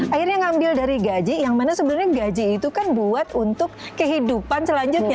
akhirnya ngambil dari gaji yang mana sebenarnya gaji itu kan buat untuk kehidupan selanjutnya